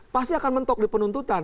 pasti akan mentok di penuntutan